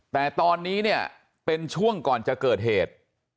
แต่ตอนนี้เนี่ยเป็นช่วงก่อนจะเกิดเหตุ